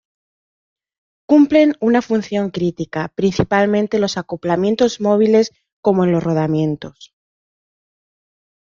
Cumplen una función crítica principalmente en los acoplamientos móviles como en los rodamientos.